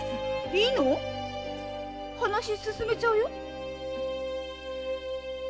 いいの⁉話進めちゃうよ？